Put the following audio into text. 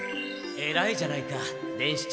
えらいじゃないか伝七。